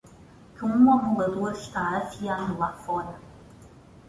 que um amolador está afiando lá fora